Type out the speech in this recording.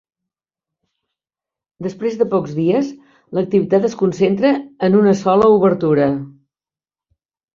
Després de pocs dies, l'activitat es concentra en una sola obertura.